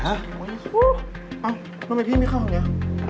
เอ้าทำไมพี่ไม่เข้าทางนี้